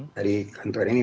dari kantor ini